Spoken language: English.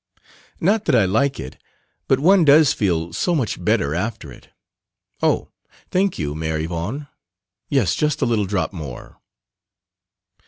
NOT that I like it, but one does feel so much better after it "oh, thank you, Mère Yvonne, yes just a little drop more."